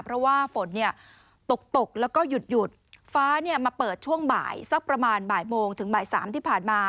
เพราะว่าฝนเนี่ยตกตกแล้วก็หยุดหยุดฟ้าเนี่ยมาเปิดช่วงบ่ายสักประมาณบ่ายโมงถึงบ่ายสามที่ผ่านมา